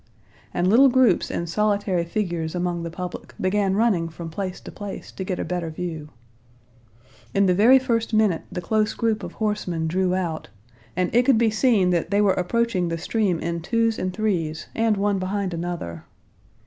And little groups and solitary figures among the public began running from place to place to get a better view. In the very first minute the close group of horsemen drew out, and it could be seen that they were approaching the stream in twos and threes and one behind another.